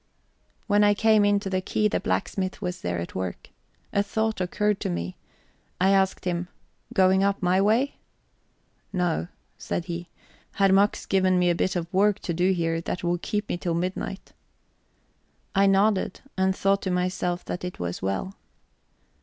When I came in to the quay the blacksmith was there at work. A thought occurred to me; I asked him: "Going up my way?" "No," said he, "Herr Mack's given me a bit of work to do here that'll keep me till midnight." I nodded, and thought to myself that it was well.